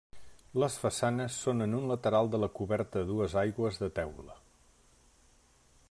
Les façanes són en un lateral de la coberta a dues aigües de teula.